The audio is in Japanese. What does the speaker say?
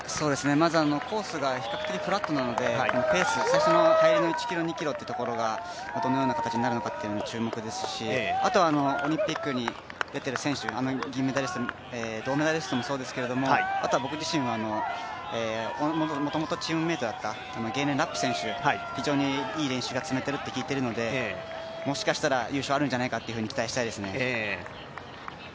まずコースが比較的フラットなのでペース、最初の入りの１ｋｍ、２ｋｍというところがどのような形になるのかというのが注目ですし、あとオリンピックに出ている選手銀メダリスト、銅メダリストもそうですけれどもあとは僕自身、もともとチームメートだったゲーレン・ラップ選手非常にいい練習が積めていると聞いているのでもしかしたら優勝あるんじゃないかって、期待したいですね。